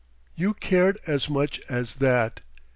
"You cared as much as that!"